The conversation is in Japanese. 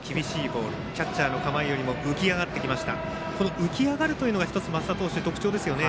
浮き上がるというのが升田投手の特徴ですよね。